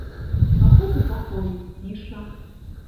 А тут у пакоі ціша.